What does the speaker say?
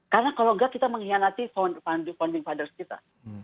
karena kalau nggak kita mengkhianati founding fathers kita